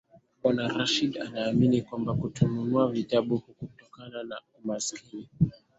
Bwana Rashid anaamini kwamba kutonunua vitabu hakutokani na umasikini.